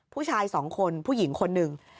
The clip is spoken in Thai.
ผู้ชายสองคนผู้หญิงคนหนึ่ง